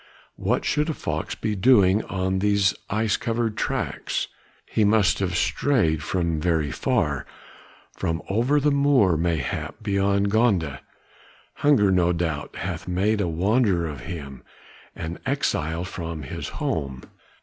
What should a fox be doing on these ice covered tracks? he must have strayed from very far, from over the moor mayhap beyond Gonda; hunger no doubt hath made a wanderer of him, an exile from his home.